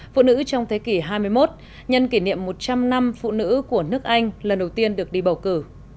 phụ nữ trong thế kỷ hai mươi một nhân kỷ niệm một trăm linh năm phụ nữ của nước anh lần đầu tiên được đi bầu cử